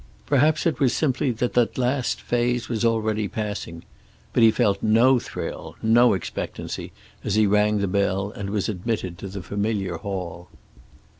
Perhaps it was simply that that last phase was already passing. But he felt no thrill, no expectancy, as he rang the bell and was admitted to the familiar hall.